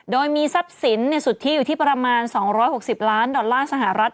โดยมีทรัพย์สินสุทธิอยู่ที่ประมาณ๒๖๐ล้านดอลลาร์สหรัฐ